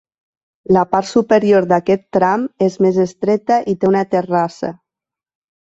La part superior d'aquest tram és més estreta i té una terrassa.